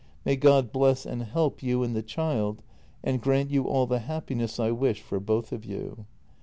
May God bless and help you and the child, and grant you all the happiness I wish for both of you.